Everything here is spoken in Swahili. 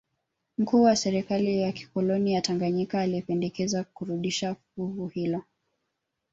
Mkuu wa serikali ya kikoloni ya Tanganyika alipendekeza kurudisha fuvu hilo